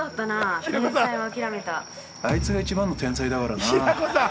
◆あいつが一番の天才だからな。